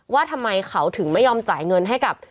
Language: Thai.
ว่าทำไมเขาถึงไม่ยอมจ่ายเงินให้กับ